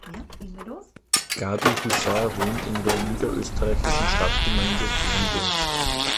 Gabi Husar wohnt in der niederösterreichischen Stadtgemeinde Berndorf.